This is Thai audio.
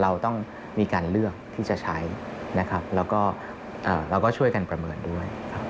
เราต้องมีการเลือกที่จะใช้แล้วก็ช่วยกันประเมินด้วย